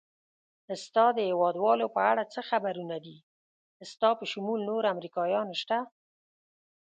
ستا د هېوادوالو په اړه څه خبرونه دي؟ ستا په شمول نور امریکایان شته؟